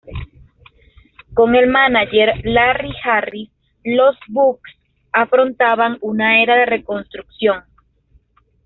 Con el mánager Larry Harris, los Bucks afrontaban una era de reconstrucción.